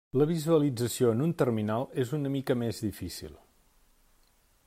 La visualització en un terminal és una mica més difícil.